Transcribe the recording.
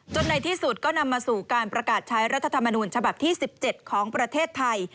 ในที่สุดก็นำมาสู่การประกาศใช้รัฐธรรมนูญฉบับที่๑๗ของประเทศไทย